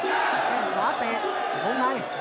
แข้งขวาเตะวงใน